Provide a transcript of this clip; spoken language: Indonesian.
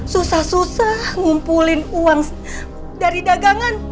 susah susah ngumpulin uang dari dagangan